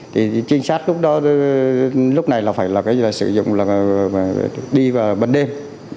thì trinh sát lúc đó lúc này là phải là cái sử dụng là đi vào bần đêm